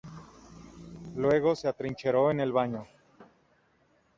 Luego se atrincheró en el baño.